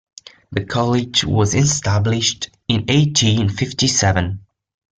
The college was established in eighteen fifty seven.